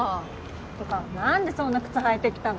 てか何でそんな靴履いてきたの？